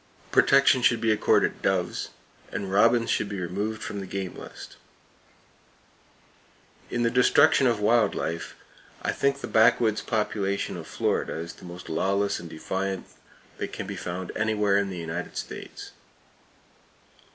Protection should be accorded doves, and robins should be removed from the game list. [Page 277] In the destruction of wild life, I think the backwoods population of Florida is the most lawless and defiant that can be found anywhere in the United States.